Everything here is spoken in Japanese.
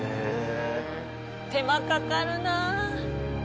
手間かかるな。